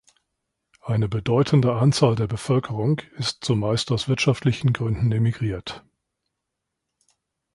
Eine bedeutende Anzahl der Bevölkerung ist zumeist aus wirtschaftlichen Gründen immigriert.